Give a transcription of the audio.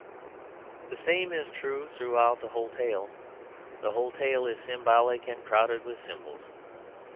The same is true throughout the whole tale; the whole tale is symbolic and crowded with symbols.